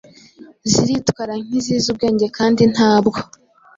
ziritwara nk’izizi ubwenge kandi ntabwo